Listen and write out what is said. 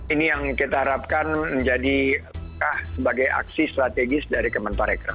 ini yang kita harapkan menjadi sebagai aksi strategis dari kementerian parekraf